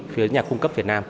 phía nhà khung cấp việt nam